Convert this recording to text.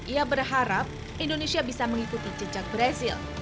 ia berharap indonesia bisa mengikuti jejak brazil